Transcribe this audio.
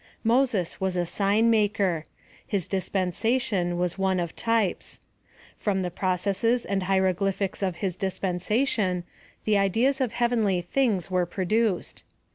Moses was a sign maker. His dispensation waa one of types. From the processes and hieroglyphics ot his dispensation the ideas of heavenly things were produced.